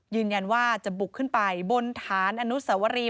ยืนยันว่าจะบุกขึ้นไปบนฐานอนุสวรี